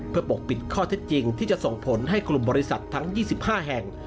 เพื่อปกปิดข้อเท็จจริงที่จะส่งผลให้กลุ่มบริษัททั้ง๒๕แห่ง